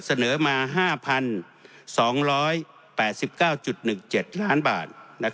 เสนอมา๕๒๘๙๑๗ล้านบาท